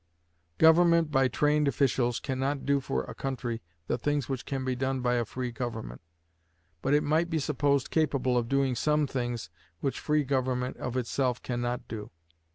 Government by trained officials can not do for a country the things which can be done by a free government, but it might be supposed capable of doing some things which free government of itself can not do.